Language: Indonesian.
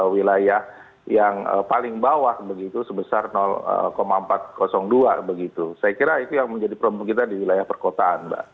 wilayah yang paling bawah begitu sebesar empat ratus dua begitu saya kira itu yang menjadi problem kita di wilayah perkotaan mbak